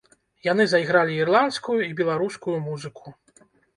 Яны зайгралі ірландскую і беларускую музыку.